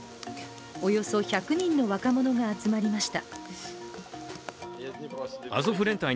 およそ１００人の若者が集まりました。